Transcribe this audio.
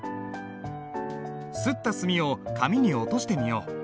磨った墨を紙に落としてみよう。